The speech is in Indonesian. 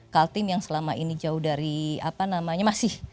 kaltim yang selama ini jauh dari apa namanya masih